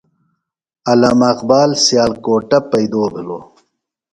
علامہ اقبال سیالکوٹہ پیئدو بِھلوۡ۔